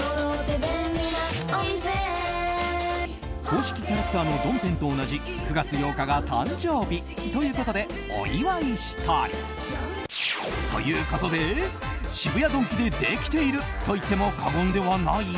公式キャラクターのドンペンと同じ９月８日が誕生日ということで、お祝いしたり。ということで、渋谷ドンキでできていると言っても過言ではない？